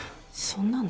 そんなの？